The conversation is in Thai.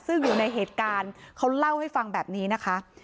ซึ่งอยู่ในเหตุการณ์เขาเล่าให้ฟังแบบนี้นะคะ